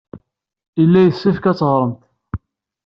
Yella yessefk ad d-teɣremt.